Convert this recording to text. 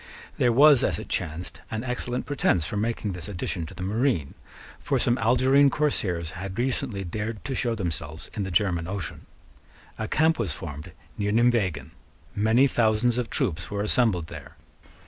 There was, as it chanced, an excellent pretence for making this addition to the marine: for some Algerine corsairs had recently dared to show themselves in the German Ocean. A camp was formed near Nimeguen. Many thousands of troops were assembled there.